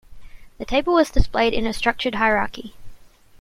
The table was displayed in a structured hierarchy.